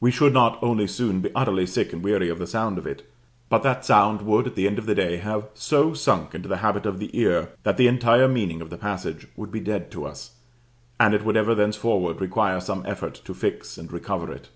We should not only soon be utterly sick and weary of the sound of it, but that sound would at the end of the day have so sunk into the habit of the ear that the entire meaning of the passage would be dead to us, and it would ever thenceforward require some effort to fix and recover it.